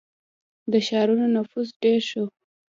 • د ښارونو نفوس ډېر شو.